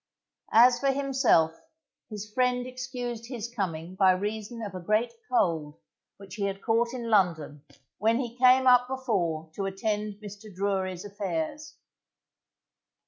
As for himself, his friend excused his coming by reason of a great cold which he had caught in London when he came up before to attend Mr. Drury's affairs.